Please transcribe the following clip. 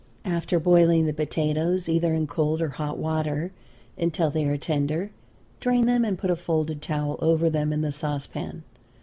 After boiling the potatoes, either in cold or hot water, until they are tender, drain them and put a folded towel over them in the sauce pan.